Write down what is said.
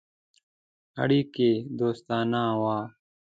اړیکي دوستانه وه.